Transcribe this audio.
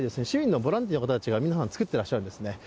市民のボランティアの方たちが皆さん、作ってらっしゃるんですね。